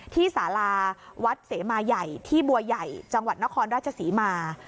สาราวัดเสมาใหญ่ที่บัวใหญ่จังหวัดนครราชศรีมา